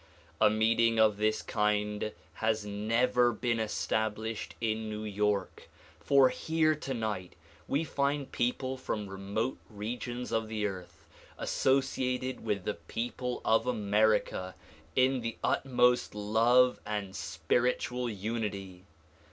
A meeting of this kind has never been established in New York, for here tonight we find people from remote regions of the earth, associated with the people of America in the utmost love and spiritual unity.